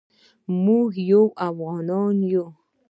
موږ یو افغان یو